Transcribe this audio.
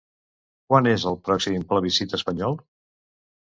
Quan és el pròxim plebiscit espanyol?